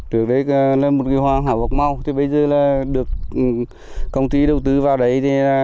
trước đấy là một cái hoa hảo vọc mau bây giờ là được công ty đầu tư vào đấy